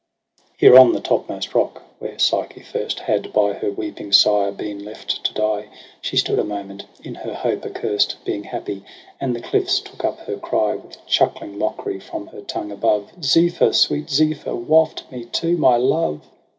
There on the topmost rock, where Psyche first Had by her weeping sire been left to die. She stood a moment, in her hope accurst Being happy ; and the cliils took up her cry With chuckling mockery from her tongue above, Zep&yr, s weet Zephyr , waft me to my love